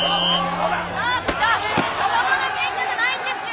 ・ちょっと子供のケンカじゃないんですよ。